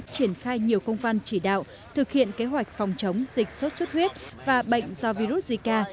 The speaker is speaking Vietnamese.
triển khai nhiều công văn chỉ đạo thực hiện kế hoạch phòng chống dịch sốt xuất huyết và bệnh do virus zika